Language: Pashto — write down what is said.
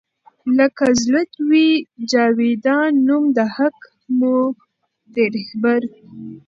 لــــــــــکه زړه وي جـــاویــــدان نــــوم د حــــق مو دی رهـــــــــبر